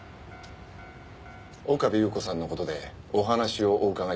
岡部祐子さんの事でお話をお伺いしたいんですが。